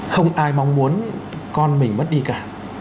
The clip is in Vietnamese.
không ai mong muốn con mình mất đi cả